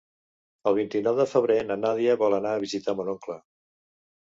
El vint-i-nou de febrer na Nàdia vol anar a visitar mon oncle.